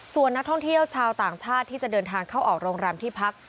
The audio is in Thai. ส่วนนักท่องเที่ยวชาวต่างชาติที่จะเดินทางเข้าออกโรงแรมที่พัก